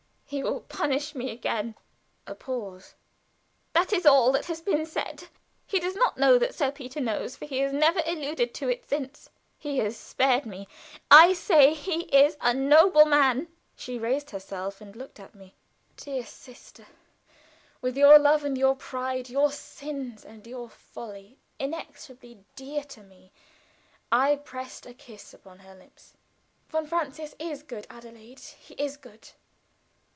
He will punish me again." A pause. "That is all that has been said. He does not know that Sir Peter knows, for he has never alluded to it since. He has spared me. I say he is a noble man." She raised herself, and looked at me. Dear sister! With your love and your pride, your sins and your folly, inexpressibly dear to me! I pressed a kiss upon her lips. "Von Francius is good, Adelaide; he is good."